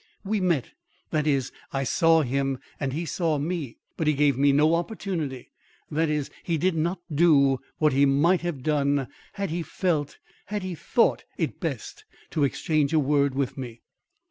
We met that is, I saw him and he saw me; but he gave me no opportunity that is, he did not do what he might have done, had he felt had he thought it best to exchange a word with me."